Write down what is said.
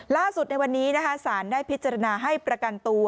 ในวันนี้นะคะสารได้พิจารณาให้ประกันตัว